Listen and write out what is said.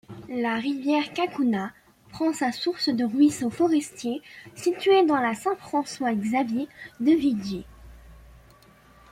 La rivière Cacouna prend sa source de ruisseaux forestiers situés dans la Saint-François-Xavier-de-Viger.